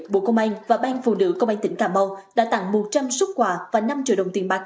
bộ công an và ban phụ nữ công an tỉnh cà mau đã tặng một trăm linh súc quà và năm triệu đồng tiền bạc